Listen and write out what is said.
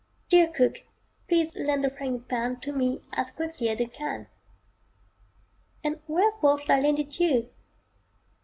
"Dear Cook, please lend a frying pan To me as quickly as you can." And wherefore should I lend it you?"